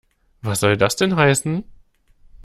Was soll das denn heißen?